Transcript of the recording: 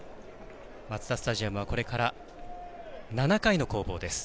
マツダスタジアムはこれから７回の攻防です。